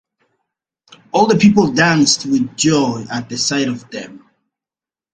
All the people danced with joy at the sight of them.